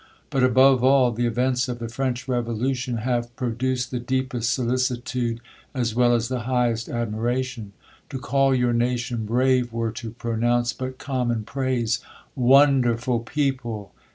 But above all, the events of the French revolution have pro duced the deepest solicitude, as well as the highest admiration. To call your nation }>rave, were to }>ro nounce but common praise. WONDERFUL PEO PLE